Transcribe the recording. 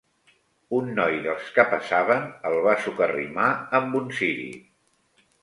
Un noi dels que passaven el va socarrimar amb un ciri